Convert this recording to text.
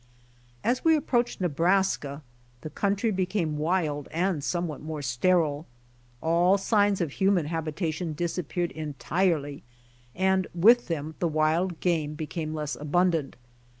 As we approached Nebraska, the country becam.e wild and somewhat more sterile. All signs of human habitation disappeared entirely, and with them the wild game became less abundant.